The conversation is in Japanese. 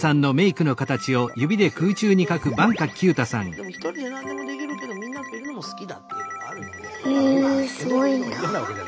でもひとりで何でもできるけどみんなといるのも好きだっていうのがあるので。